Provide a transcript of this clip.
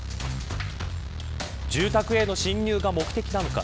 住宅への侵入が目的なのか。